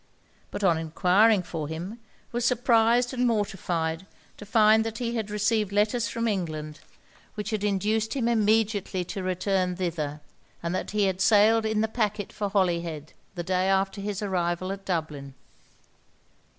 But on enquiring for him, was surprised and mortified to find that he had received letters from England which had induced him immediately to return thither, and that he had sailed in the packet for Holyhead the day after his arrival at Dublin.'